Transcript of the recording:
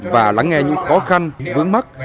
và lắng nghe những khó khăn vướng mắt